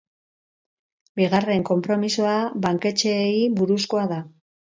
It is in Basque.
Bigarren konpromisoa banketxeei buruzkoa da.